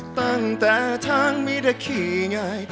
ตั้งแต่ทางมีทะขึ้นไง